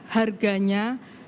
harganya dan harga